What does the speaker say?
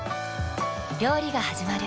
料理がはじまる。